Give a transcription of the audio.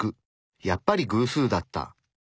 やっぱり偶数だった。